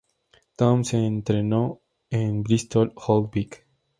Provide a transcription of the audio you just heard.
Tom se entrenó en el Bristol Old Vic.